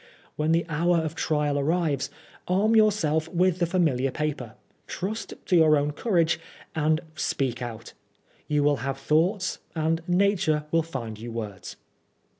When the hour of trial arrives, arm yourself with the familiar paper, trust to your own courage, and speak out. You will have thoughts, and nature will find you words."